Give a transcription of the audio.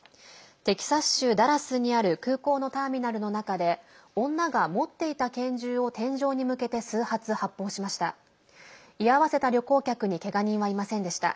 テキサス州ダラスにある空港のターミナルの中で女が、持っていた拳銃を天井に向けて数発、発砲しました。